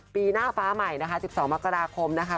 ปีหน้าฟ้าใหม่นะคะ๑๒มกราคมนะคะ